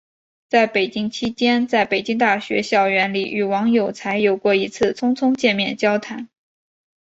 在北京期间在北京大学校园里与王有才有过一次匆匆见面交谈。